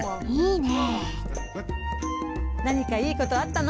なにかいいことあったの？